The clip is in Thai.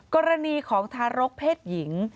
กรณีของทารกเพศหญิง